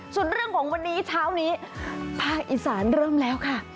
ส่วนเรื่องของวันนี้เช้านี้ภาคอีสานเริ่มแล้วค่ะ